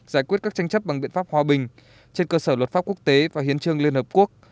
giải quyết các tranh chấp bằng biện pháp hòa bình trên cơ sở luật pháp quốc tế và hiến trương liên hợp quốc